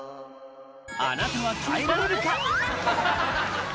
あなたは耐えられるか？